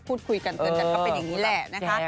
โอ้โหโอ้โหโอ้โหโอ้โหโอ้โห